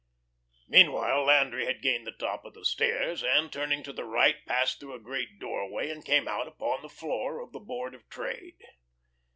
Meanwhile Landry had gained the top of the stairs, and turning to the right, passed through a great doorway, and came out upon the floor of the Board of Trade.